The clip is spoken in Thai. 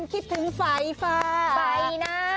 คิดถึงไฟฟ้าไปนะ